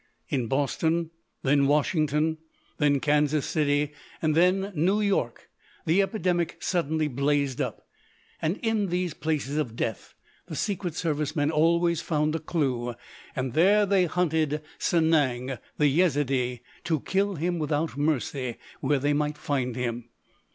In Boston, then Washington, then Kansas City, and then New York the epidemic suddenly blazed up. And in these places of death the Secret Service men always found a clew, and there they hunted Sanang, the Yezidee, to kill him without mercy where they might find him.